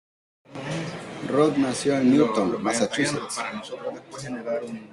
Roth nació en Newton, Massachusetts.